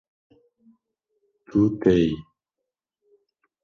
Tu têyî